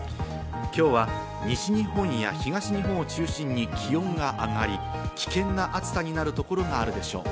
今日は西日本や東日本を中心に気温が上がり危険な暑さになるところがあるでしょう。